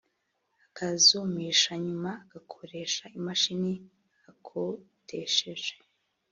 akazumisha nyuma agakoresha imashini akodesheje